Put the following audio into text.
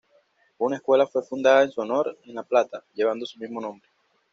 Una escuela fue fundada en su honor en La Plata, llevando su mismo nombre.